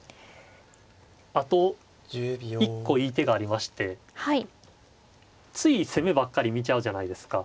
あと１個いい手がありましてつい攻めばっかり見ちゃうじゃないですか。